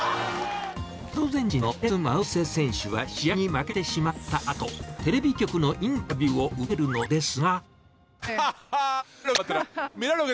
アルゼンチンのペレス・マウリセ選手は試合に負けてしまったあと、テレビ局のインタビューを受けるのですが。